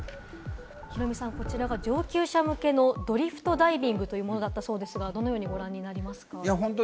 ヒロミさん、こちらが上級者向けのドリフトダイビングというものだったそうですが、どのようにご覧になりますか？